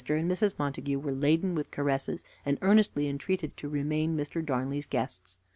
and Mrs. Montague were laden with caresses, and earnestly entreated to remain Mr. Darnley's guests.